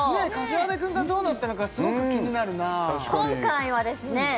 膳君がどうなったのかすごく気になるな今回はですね